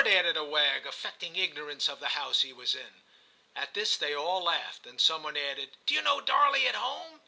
' added a wag, affecting ignorance of the house he was in. At this they all laughed, and some one added —* Do you know Darley at home